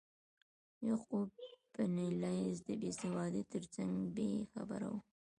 یعقوب بن لیث د بیسوادۍ ترڅنګ بې خبره و.